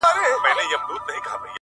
دغخ دی لوی رقيب چي نن نور له نرتوبه وځي_